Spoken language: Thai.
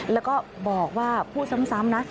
แล้วก็บอกว่าพูดซ้ำนะ